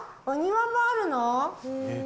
お庭もあるの？